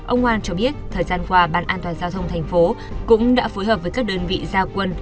ông hoan cho biết thời gian qua ban an toàn giao thông thành phố cũng đã phối hợp với các đơn vị gia quân